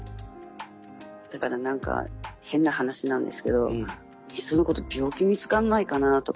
だから何か変な話なんですけどいっそのこと病気見つかんないかなとかって思って。